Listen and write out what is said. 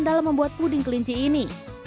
dalam membuat puding kelinci ini